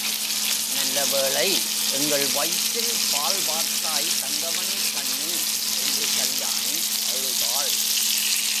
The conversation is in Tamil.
நல்லவேளை எங்கள் வயிற்றில் பால் வார்த்தாய் தங்கமணி கண்ணு, என்று கல்யாணி அழுதாள்.